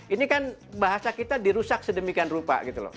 ini kan bahasa kita dirusak sedemikian rupa gitu loh